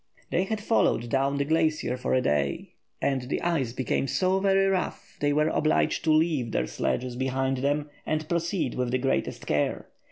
They had followed down the glacier for a day, and the ice became so very rough they were obliged to leave their sledges behind them and proceed with the greatest care.